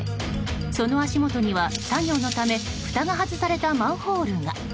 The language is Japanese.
その足元には作業のためふたが外されたマンホールが。